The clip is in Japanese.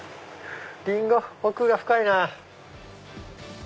リンゴ奥が深いなぁ。